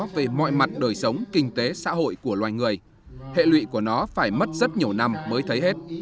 về mọi mặt đời sống kinh tế xã hội của loài người hệ lụy của nó phải mất rất nhiều năm mới thấy hết